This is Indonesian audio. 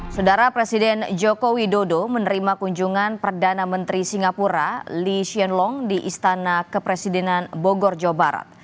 sudara presiden joko widodo menerima kunjungan perdana menteri singapura lee hsien long di istana kepresidenan bogor jawa barat